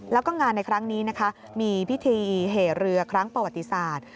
แล้วก็งานในครั้งนี้นะคะมีพิธีเหเรือครั้งประวัติศาสตร์